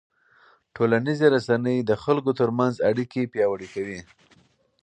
ټولنیزې رسنۍ د خلکو ترمنځ اړیکې پیاوړې کوي.